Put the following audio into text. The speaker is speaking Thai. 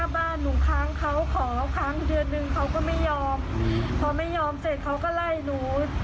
บ้านหนูค้างเขาขอค้างเดือนหนึ่งเขาก็ไม่ยอมพอไม่ยอมเสร็จเขาก็ไล่หนู